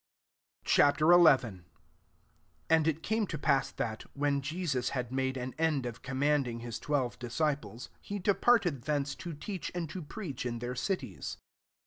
Ch. XL 1 And it came to Ijass thai^ when Jesus had made an end of commanding his twelve disciples, he departed thence to teach and to preach in their cities.